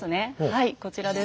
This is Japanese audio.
はいこちらです。